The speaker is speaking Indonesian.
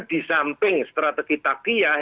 disamping strategi takiyah